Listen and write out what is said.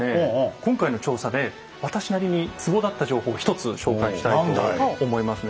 今回の調査で私なりにツボだった情報を１つ紹介したいと思いますね。